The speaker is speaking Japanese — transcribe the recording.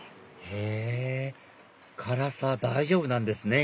へぇ辛さ大丈夫なんですね